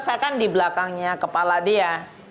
saya kan di belakangnya kepala dia